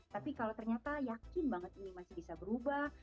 tapi kalau ternyata yakin banget ini masih bisa berubah